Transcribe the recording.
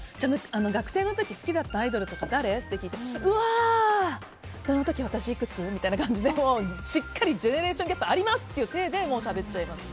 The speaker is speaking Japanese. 学生の時に好きだったアイドルとか誰？って聞いてその時、私いくつみたいな感じでしっかりジェネレーションギャップがありますっていうていでしゃべっちゃいます。